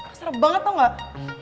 kasar banget tau gak